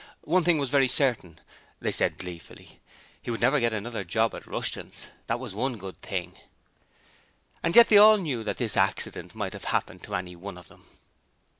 One thing was very certain they said, gleefully he would never get another job at Rushton's: that was one good thing. And yet they all knew that this accident might have happened to any one of them.